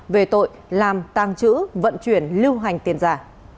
về tội làm tàng trữ vận chuyển lưu hành tiền giả